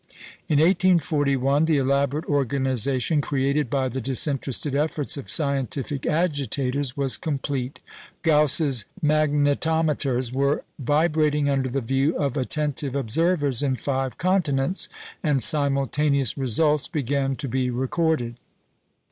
In 1841, the elaborate organisation created by the disinterested efforts of scientific "agitators" was complete; Gauss's "magnetometers" were vibrating under the view of attentive observers in five continents, and simultaneous results began to be recorded.